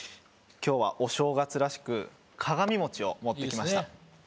きょうはお正月らしく鏡餅を持ってきました。